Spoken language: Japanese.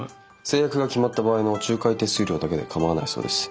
成約が決まった場合の仲介手数料だけで構わないそうです。